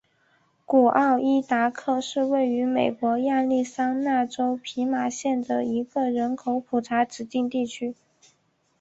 古奥伊达克是位于美国亚利桑那州皮马县的一个人口普查指定地区。